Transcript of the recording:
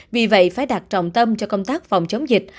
vì vậy phải đặt trọng tâm cho công tác phòng chống dịch